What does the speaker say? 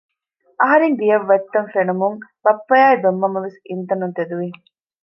އަހަރެން ގެއަށް ވަތްތަން ފެނުމުން ބައްޕަ އާއި ދޮންމަންމަވެސް އިންތަނުން ތެދުވި